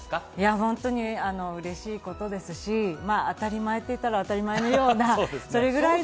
本当に嬉しい事ですし、当たり前っていったら当たり前のような、それぐらいの。